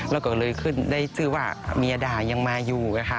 แล้วก็เลยได้ชื่อว่าเมียดายังมาอยู่